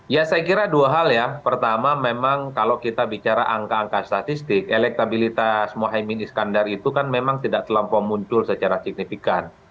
ya saya kira dua hal ya pertama memang kalau kita bicara angka angka statistik elektabilitas mohaimin iskandar itu kan memang tidak terlampau muncul secara signifikan